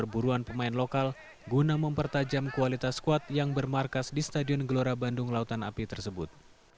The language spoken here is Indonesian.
perburuan pemain lokal guna mempertajam kualitas squad yang bermarkas di stadion gelora bandung lautan api tersebut